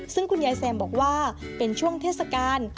ซึ่งคุณยายแซมบอกว่าเป็นช่วงเทศกาล